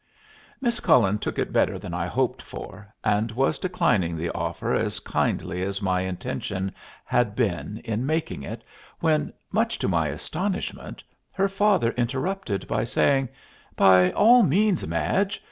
Miss Cullen took it better than I hoped for, and was declining the offer as kindly as my intention had been in making it, when, much to my astonishment, her father interrupted by saying, "By all means, Madge.